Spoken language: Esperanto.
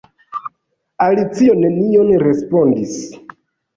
Alicio nenion respondis.